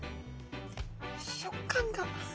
食感が。